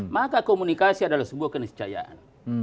maka komunikasi adalah sebuah keniscayaan